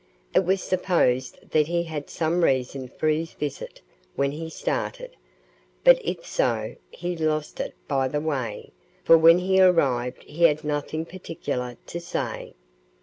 It was supposed that he had some reason for his visit when he started, but if so, he lost it by the way, for when he arrived he had nothing particular to say.